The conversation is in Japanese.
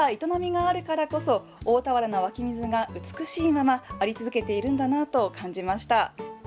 こうした営みがあるからこそ、大田原の湧き水が美しいまま、あり続けているんだなぁと感じました。